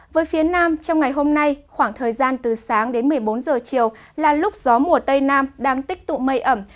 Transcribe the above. với phía nam trong ngày hôm nay khoảng thời gian từ sáng đến một mươi bốn giờ chiều là lúc gió mùa tây nam đang tích tụ mây ẩm